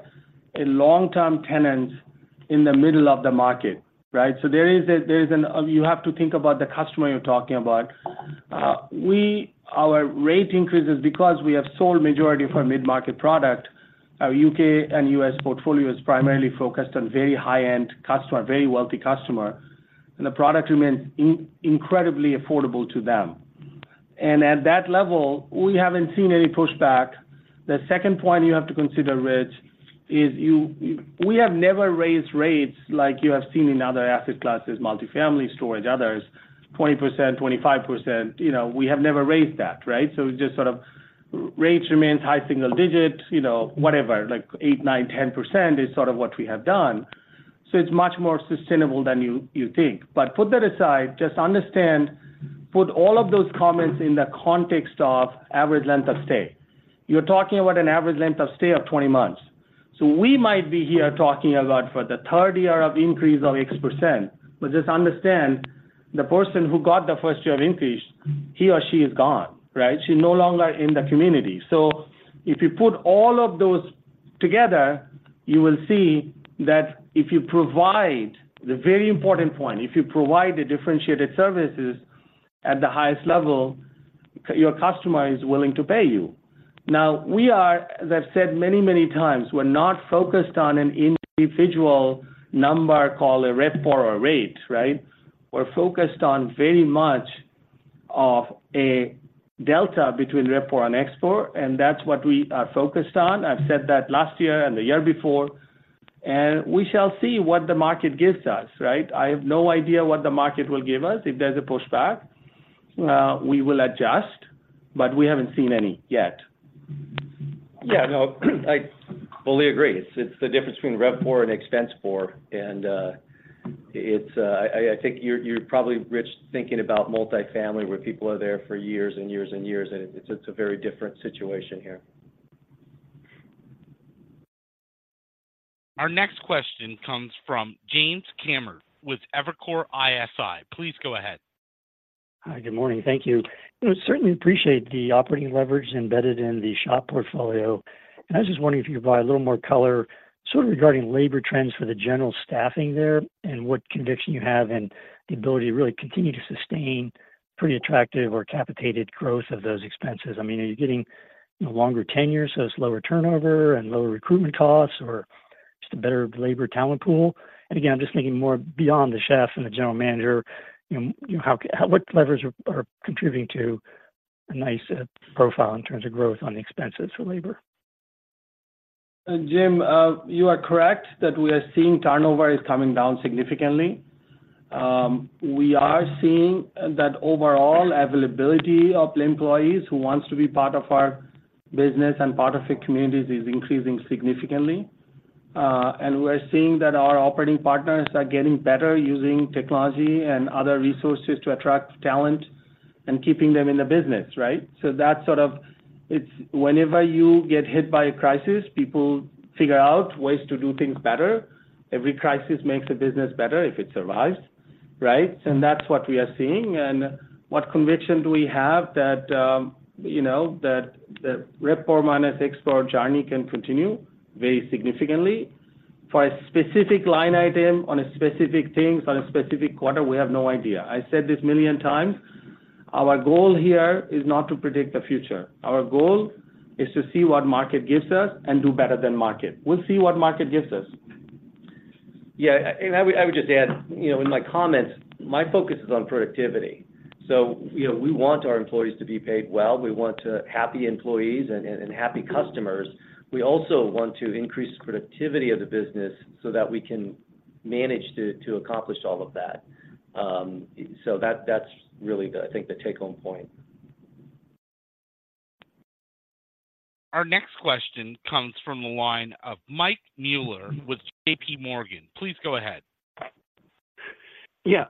a long-term tenant in the middle of the market, right? So you have to think about the customer you're talking about. Our rate increases because we have sold majority of our mid-market product. Our U.K. and U.S. portfolio is primarily focused on very high-end customer, very wealthy customer, and the product remains incredibly affordable to them. And at that level, we haven't seen any pushback. The second point you have to consider, Rich, is we have never raised rates like you have seen in other asset classes, multifamily, storage, others, 20%, 25%. You know, we have never raised that, right? So just sort of rates remains high single digit, you know, whatever, like 8%, 9%, 10% is sort of what we have done. So it's much more sustainable than you, you think. But put that aside, just understand, put all of those comments in the context of average length of stay. You're talking about an average length of stay of 20 months. So we might be here talking about for the third year of increase of x%, but just understand, the person who got the first year of increase, he or she is gone, right? She's no longer in the community. So if you put all of those together, you will see that if you provide... The very important point, if you provide the differentiated services at the highest level, your customer is willing to pay you. Now, we are, as I've said many, many times, we're not focused on an individual number called a RevPOR or rate, right? We're focused on very much of a delta between RevPOR and ExpOR, and that's what we are focused on. I've said that last year and the year before, and we shall see what the market gives us, right? I have no idea what the market will give us. If there's a pushback, we will adjust, but we haven't seen any yet. Yeah, no, I fully agree. It's the difference between RevPOR and ExpOR. And I think you're probably, Rich, thinking about multi-family, where people are there for years and years and years, and it's a very different situation here. Our next question comes from Jim Kammert with Evercore ISI. Please go ahead. Hi, good morning. Thank you. I certainly appreciate the operating leverage embedded in the SHO portfolio. I was just wondering if you could provide a little more color, sort of regarding labor trends for the general staffing there and what conviction you have in the ability to really continue to sustain pretty attractive or capitated growth of those expenses. I mean, are you getting longer tenure, so it's lower turnover and lower recruitment costs, or just a better labor talent pool? And again, I'm just thinking more beyond the chef and the general manager, you know, how, what levers are contributing to a nice profile in terms of growth on the expenses for labor? Jim, you are correct that we are seeing turnover is coming down significantly. We are seeing that overall availability of employees who wants to be part of our business and part of the communities is increasing significantly. And we're seeing that our operating partners are getting better using technology and other resources to attract talent and keeping them in the business, right? So that's sort of, it's whenever you get hit by a crisis, people figure out ways to do things better. Every crisis makes a business better if it survives, right? And that's what we are seeing. And what conviction do we have that, you know, that, that RevPOR minus ExpOR journey can continue very significantly. For a specific line item on a specific things, on a specific quarter, we have no idea. I said this million times, our goal here is not to predict the future. Our goal is to see what market gives us and do better than market. We'll see what market gives us. I would just add, you know, in my comments, my focus is on productivity. So, you know, we want our employees to be paid well. We want to happy employees and happy customers. We also want to increase productivity of the business so that we can manage to accomplish all of that. So that's really the, I think, the take-home point. Our next question comes from the line of Mike Mueller with JPMorgan. Please go ahead. Yeah,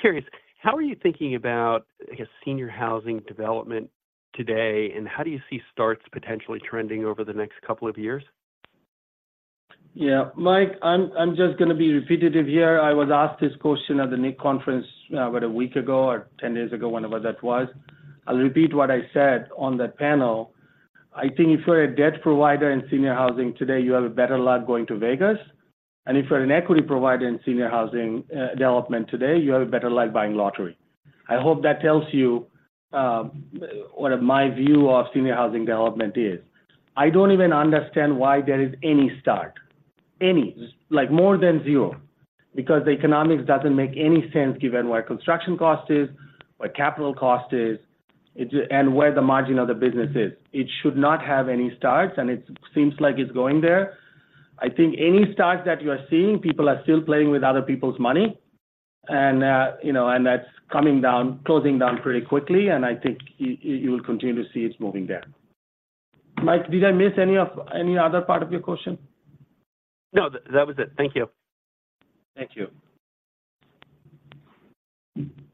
curious, how are you thinking about, I guess, senior housing development today, and how do you see starts potentially trending over the next couple of years? Yeah, Mike, I'm just gonna be repetitive here. I was asked this question at the NIC conference about a week ago or 10 days ago, whenever that was. I'll repeat what I said on that panel. I think if you're a debt provider in senior housing today, you have better luck going to Vegas. And if you're an equity provider in senior housing development today, you have better luck buying lottery. I hope that tells you what my view of senior housing development is. I don't even understand why there is any start, like more than zero, because the economics doesn't make any sense given where construction cost is, where capital cost is, and where the margin of the business is. It should not have any starts, and it seems like it's going there. I think any starts that you are seeing, people are still playing with other people's money, and, you know, and that's coming down, closing down pretty quickly, and I think you will continue to see it's moving down. Mike, did I miss any of, any other part of your question? No, that was it. Thank you. Thank you.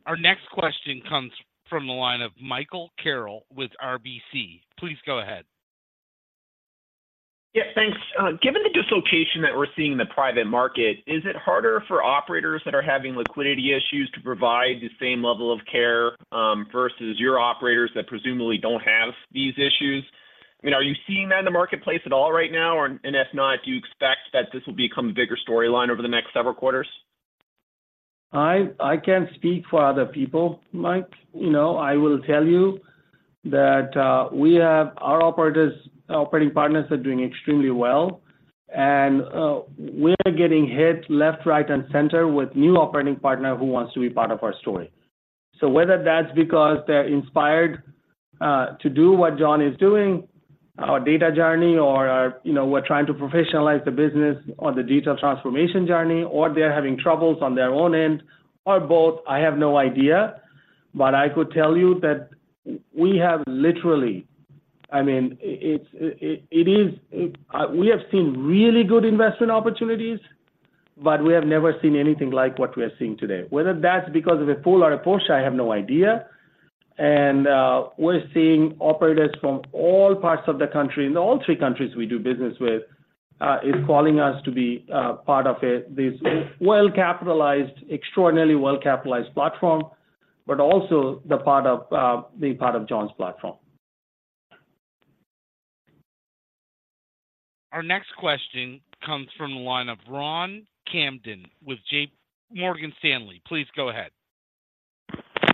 Our next question comes from the line of Michael Carroll with RBC. Please go ahead. Yeah, thanks. Given the dislocation that we're seeing in the private market, is it harder for operators that are having liquidity issues to provide the same level of care versus your operators that presumably don't have these issues? I mean, are you seeing that in the marketplace at all right now? And if not, do you expect that this will become a bigger storyline over the next several quarters? I can't speak for other people, Mike. You know, I will tell you that, we have our operators, our operating partners are doing extremely well, and we are getting hit left, right, and center with new operating partner who wants to be part of our story. So whether that's because they're inspired to do what John is doing, our data journey or, you know, we're trying to professionalize the business on the digital transformation journey, or they are having troubles on their own end, or both, I have no idea. But I could tell you that we have literally. I mean, it is, we have seen really good investment opportunities, but we have never seen anything like what we are seeing today. Whether that's because of a pull or a push, I have no idea. We're seeing operators from all parts of the country, in all three countries we do business with, is calling us to be part of it, this well-capitalized, extraordinarily well-capitalized platform, but also the part of being part of John's platform. Our next question comes from the line of Ron Kamdem with Morgan Stanley. Please go ahead.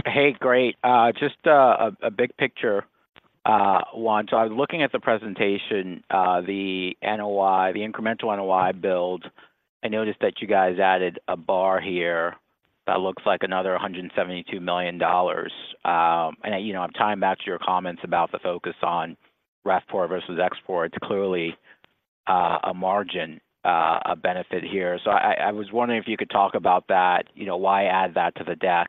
Hey, great. Just a big picture one. So I was looking at the presentation, the NOI, the incremental NOI build. I noticed that you guys added a bar here that looks like another $172 million. And, you know, I'm tying back to your comments about the focus on RevPOR versus ExpOR. It's clearly a margin benefit here. So I was wondering if you could talk about that, you know, why add that to the deck?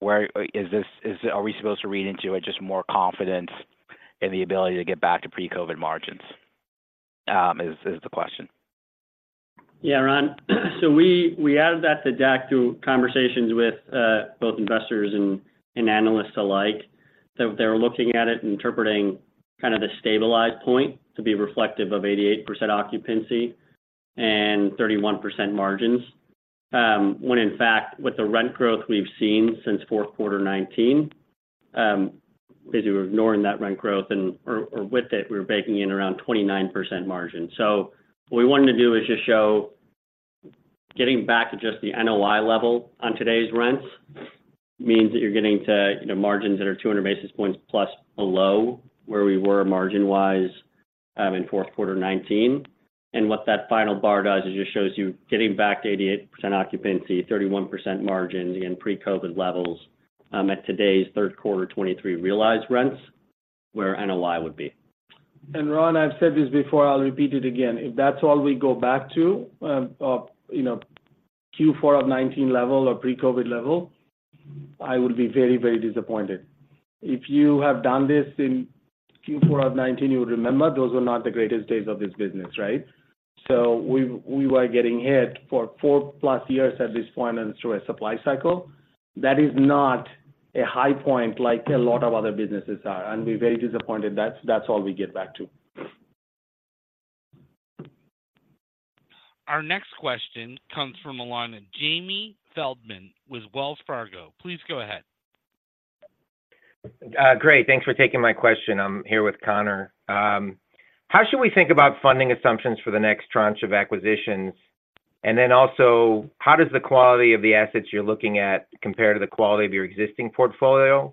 Where is this? Is it? Are we supposed to read into it, just more confidence in the ability to get back to pre-COVID margins? Is the question. Yeah, Ron, so we added that to the deck through conversations with both investors and analysts alike. That they were looking at it and interpreting the stabilized point to be reflective of 88% occupancy and 31% margins, when in fact, with the rent growth we've seen since Q4 2019, basically, we're ignoring that rent growth or with it, we're baking in around 29% margin. So what we wanted to do is just SHO getting back to just the NOI level on today's rents means that you're getting to, you know, margins that are 200 basis points plus below where we were margin-wise, in Q4 2019. What that final bar does is it just shows you getting back to 88% occupancy, 31% margins in pre-COVID levels, at today's Q3 2023 realized rents, where NOI would be. Ron, I've said this before, I'll repeat it again. If that's all we go back to, you know, Q4 of 2019 level or pre-COVID level, I would be very, very disappointed. If you have done this in Q4 of 2019, you would remember, those were not the greatest days of this business, right? So we, we were getting hit for 4+ years at this point, and through a supply cycle. That is not a high point like a lot of other businesses are, and we're very disappointed that's, that's all we get back to. Our next question comes from the line of Jamie Feldman with Wells Fargo. Please go ahead. Great. Thanks for taking my question. I'm here with Connor. How should we think about funding assumptions for the next tranche of acquisitions? And then also, how does the quality of the assets you're looking at compare to the quality of your existing portfolio?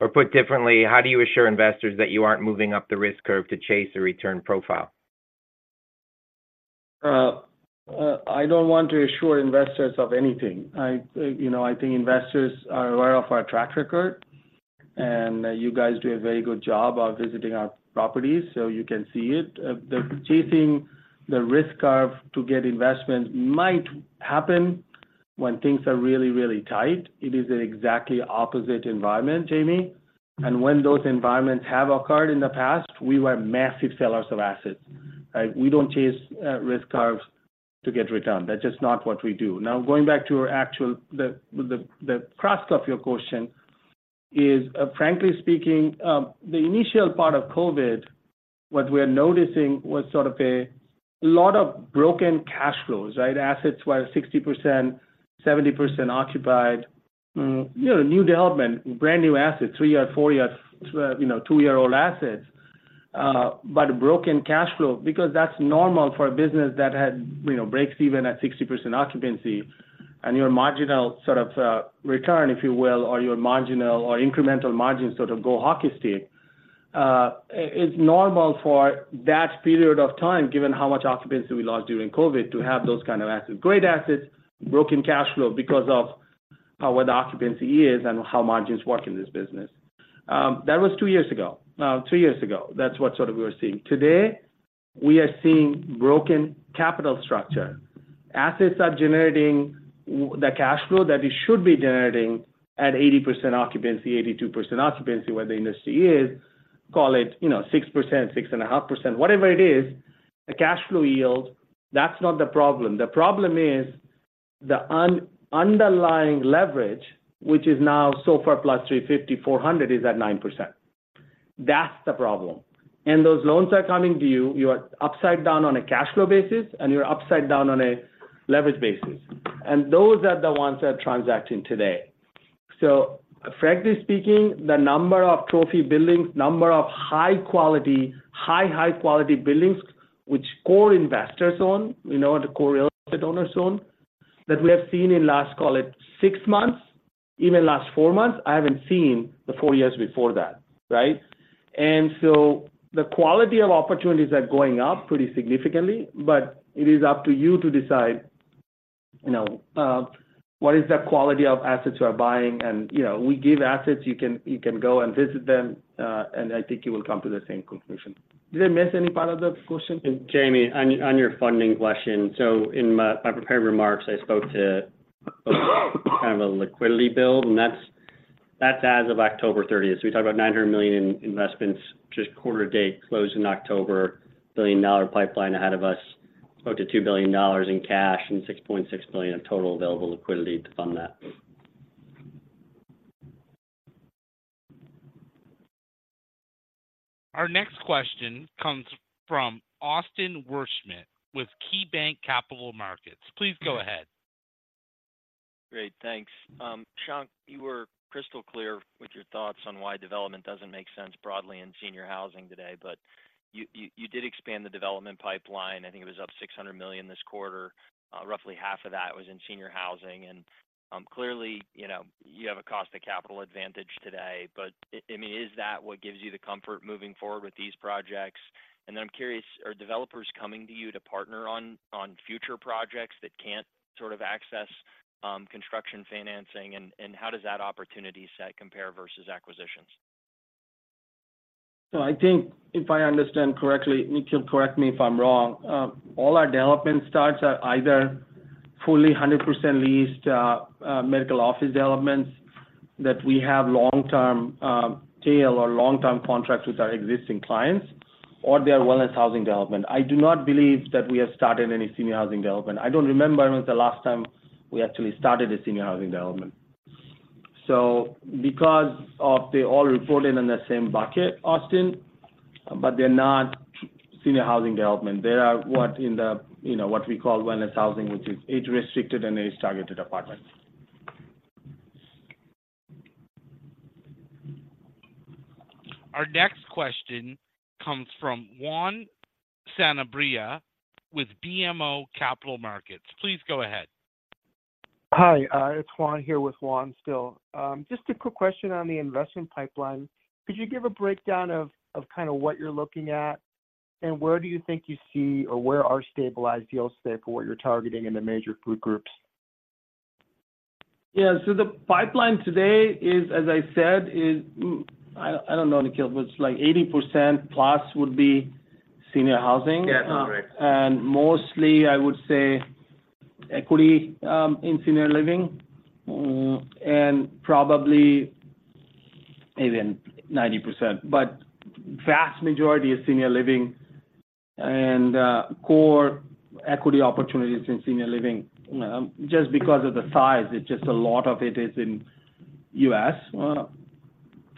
Or put differently, how do you assure investors that you aren't moving up the risk curve to chase a return profile? I don't want to assure investors of anything. I, you know, I think investors are aware of our track record, and you guys do a very good job of visiting our properties, so you can see it. The chasing the risk curve to get investment might happen when things are really, really tight. It is an exactly opposite environment, Jamie. When those environments have occurred in the past, we were massive sellers of assets. We don't chase risk curves to get return. That's just not what we do. Now, going back to our actual, the crux of your question is, frankly speaking, the initial part of COVID, what we are noticing was sort of a lot of broken cash flows, right? Assets were 60%, 70% occupied. You know, new development, brand-new assets, three-year, four-year, you know, two-year-old assets, but broken cash flow, because that's normal for a business that had, you know, breaks even at 60% occupancy, and your marginal sort of, return, if you will, or your marginal or incremental margins, sort of go hockey stick. It's normal for that period of time, given how much occupancy we lost during COVID, to have those kind of assets. Great assets, broken cash flow because of, where the occupancy is and how margins work in this business. That was two years ago. Two years ago, that's what sort of we were seeing. Today, we are seeing broken capital structure. Assets are generating the cash flow that it should be generating at 80% occupancy, 82% occupancy, where the industry is, call it, you know, 6%, 6.5%, whatever it is, the cash flow yield, that's not the problem. The problem is the underlying leverage, which is now so far plus 350, 400, is at 9%. That's the problem. And those loans are coming to you. You are upside down on a cash flow basis, and you're upside down on a leverage basis. And those are the ones that are transacting today.... So frankly speaking, the number of trophy buildings, number of high quality, high, high quality buildings, which core investors own, you know, the core real estate owners own, that we have seen in last, call it six months, even last four months, I haven't seen the four years before that, right? And so the quality of opportunities are going up pretty significantly, but it is up to you to decide, you know, what is the quality of assets you are buying. And, you know, we give assets, you can, you can go and visit them, and I think you will come to the same conclusion. Did I miss any part of the question? Jamie, on your funding question, in my prepared remarks, I spoke to kind of a liquidity build, and that's as of October 30th. We talked about $900 million in investments, just quarter-to-date closed in October, billion-dollar pipeline ahead of us, up to $2 billion in cash, and $6.6 billion in total available liquidity to fund that. Our next question comes from Austin Wurschmidt with KeyBanc Capital Markets. Please go ahead. Great. Thanks. Shank, you were crystal clear with your thoughts on why development doesn't make sense broadly in senior housing today, but you did expand the development pipeline. I think it was up $600 million this quarter. Roughly $300 million of that was in senior housing, and clearly, you know, you have a cost of capital advantage today. But I mean, is that what gives you the comfort moving forward with these projects? And then I'm curious, are developers coming to you to partner on future projects that can't sort of access construction financing? And how does that opportunity set compare versus acquisitions? So I think if I understand correctly, Nikhil, correct me if I'm wrong, all our development starts are either fully 100% leased, medical office developments that we have long-term, tail or long-term contracts with our existing clients, or they are wellness housing development. I do not believe that we have started any senior housing development. I don't remember when the last time we actually started a senior housing development. So because of they all reported in the same bucket, Austin, but they're not senior housing development. They are what in the, you know, what we call wellness housing, which is age-restricted and age-targeted apartments. Our next question comes from Juan Sanabria with BMO Capital Markets. Please go ahead. Hi, it's Juan here with one still. Just a quick question on the investment pipeline. Could you give a breakdown of kind of what you're looking at? And where do you think you see or where are stabilized yields there for what you're targeting in the major group groups? Yeah. So the pipeline today is, as I said, I don't know, Nikhil, but it's like 80%+ would be senior housing. Yeah, that's right. Mostly, I would say, equity in senior living, and probably even 90%. But vast majority is senior living and core equity opportunities in senior living. Just because of the size, it's just a lot of it is in U.S.,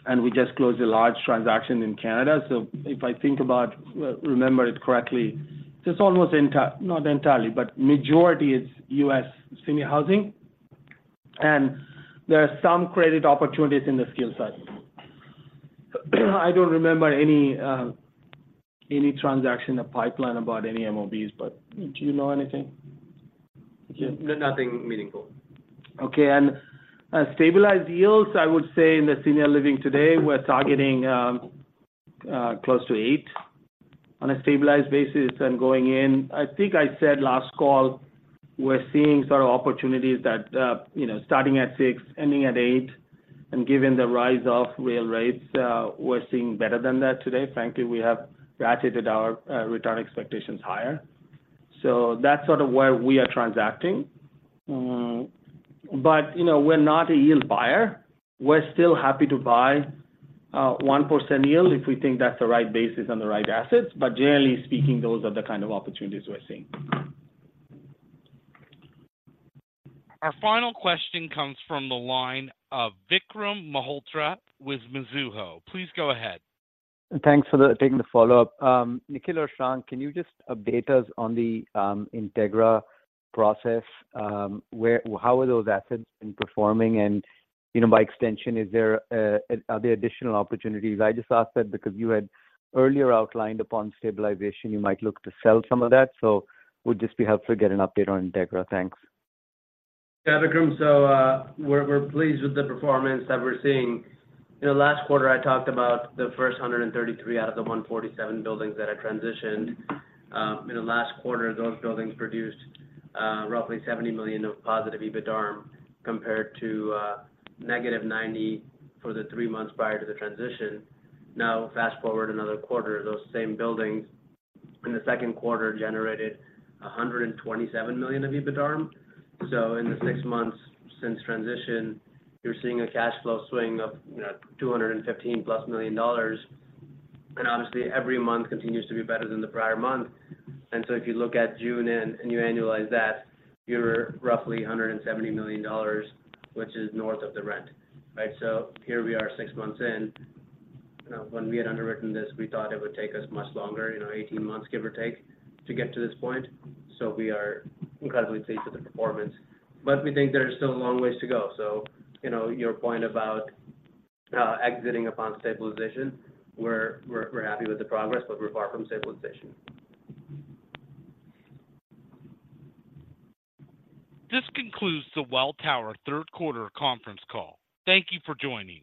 and we just closed a large transaction in Canada. So if I think about, remember it correctly, it's almost entirely, not entirely, but majority is U.S. senior housing, and there are some credit opportunities in the skill set. I don't remember any transaction, a pipeline about any MOBs, but do you know anything? Nothing meaningful. Okay. And, stabilized yields, I would say in the senior living today, we're targeting, close to eight on a stabilized basis and going in. I think I said last call, we're seeing sort of opportunities that, you know, starting at six, ending at eight, and given the rise of real rates, we're seeing better than that today. Frankly, we have graduated our, return expectations higher. So that's sort of where we are transacting. But, you know, we're not a yield buyer. We're still happy to buy, one percent yield if we think that's the right basis and the right assets. But generally speaking, those are the kind of opportunities we're seeing. Our final question comes from the line of Vikram Malhotra with Mizuho. Please go ahead. Thanks for taking the follow-up. Nikhil or Shankh, can you just update us on the Integra process? Where - how are those assets been performing? And, you know, by extension, are there additional opportunities? I just asked that because you had earlier outlined upon stabilization, you might look to sell some of that. So it would just be helpful to get an update on Integra. Thanks. Yeah, Vikram. So, we're pleased with the performance that we're seeing. In the last quarter, I talked about the first 133 out of the 147 buildings that I transitioned. In the last quarter, those buildings produced roughly $70 million of positive EBITDARM, compared to negative $90 million for the three months prior to the transition. Now, fast forward another quarter, those same buildings in the second quarter generated $127 million of EBITDARM. So in the six months since transition, you're seeing a cash flow swing of, you know, $215+ million, and obviously, every month continues to be better than the prior month. So if you look at June, and you annualize that, you're roughly $170 million, which is north of the rent, right? So here we are, six months in. When we had underwritten this, we thought it would take us much longer, you know, 18 months, give or take, to get to this point. So we are incredibly pleased with the performance, but we think there is still a long ways to go. So, you know, your point about exiting upon stabilization, we're happy with the progress, but we're far from stabilization. This concludes the Welltower Q3 conference call. Thank you for joining.